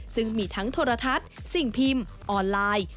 ซึ่งมีทั้งโทรทัศน์สิ่งพิมพ์ออนไลน์